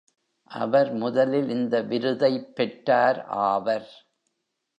அவர் முதலில் இந்த விருதை பெற்றார் ஆவர்.